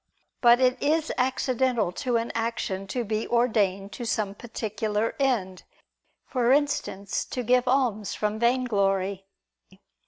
But it is accidental to an action to be ordained to some particular end; for instance, to give alms from vainglory.